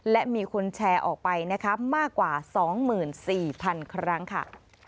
และมีคนแชร์ออกไปนะคะมากกว่าสองหมื่นสี่พันครั้งค่ะ